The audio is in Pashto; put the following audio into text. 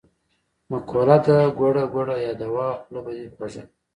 مقوله ده: ګوړه ګوړه یاده وه خوله به دی خوږه وي.